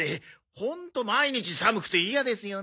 ホント毎日寒くて嫌ですよね。